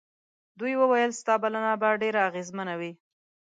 دوی وویل ستا بلنه به ډېره اغېزمنه وي.